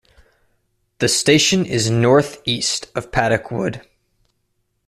The station is north east of Paddock Wood.